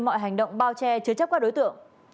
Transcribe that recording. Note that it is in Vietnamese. mọi hành động bao che chứa chấp các đối tượng